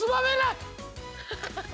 ハハハハ。